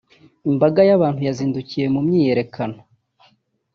imbaga y’abantu yazindukiye mu myiyerekano